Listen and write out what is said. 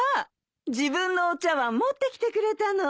自分のお茶わん持ってきてくれたの？